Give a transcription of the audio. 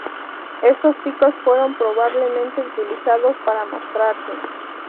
Estos picos fueron probablemente utilizados para mostrarse.